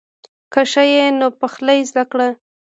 که ښه یې نو پخلی زده کړه.